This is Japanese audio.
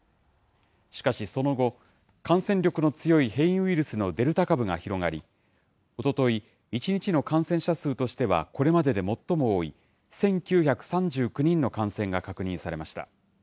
しかし、その後、感染力の強い変異ウイルスのデルタ株が広がり、おととい、１日の感染者数としてはこれまでで最も多い、１９３９人の感染が確認されました。